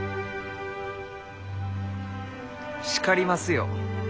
叱りますよ。